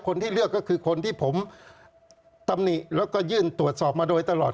คนที่เลือกก็คือคนที่ผมตำหนิแล้วก็ยื่นตรวจสอบมาโดยตลอด